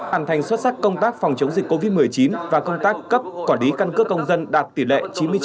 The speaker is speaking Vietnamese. hoàn thành xuất sắc công tác phòng chống dịch covid một mươi chín và công tác cấp quản lý căn cước công dân đạt tỷ lệ chín mươi chín